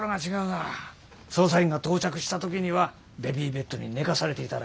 捜査員が到着した時にはベビーベッドに寝かされていたらしい。